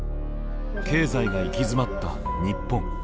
経済が行き詰まった日本。